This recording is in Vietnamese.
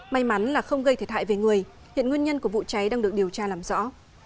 may mắn là không gây thiệt hại về người hiện nguyên nhân của vụ cháy đang được điều tra làm rõ